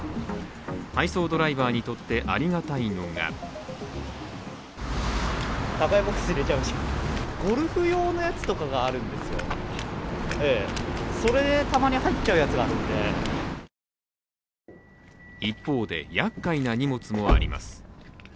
配送ドライバーにとってありがたいのが一方で、やっかいな荷物もあります。